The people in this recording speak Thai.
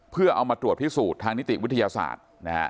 เพื่อเอามาตรวจพิสูจน์ทางนิติวิทยาศาสตร์นะฮะ